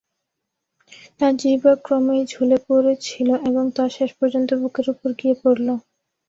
তার জিহবা ক্রমেই ঝুলে পড়ছিল এবং তা শেষ পর্যন্ত বুকের উপর গিয়ে পড়ল।